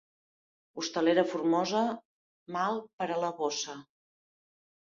Hostalera formosa, mal per a la bossa.